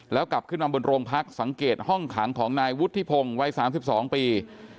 แล้วกลับขึ้นมาบนโรงพักสังเกตห้องขังของนายวุฒิพงศ์วัย๓๒ปี